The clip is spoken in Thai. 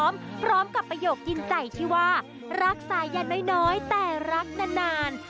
พร้อมกับประโยคยินใจที่ว่ารักสายันน้อยแต่รักนาน